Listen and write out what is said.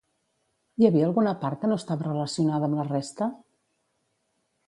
Hi havia alguna part que no estava relacionada amb la resta?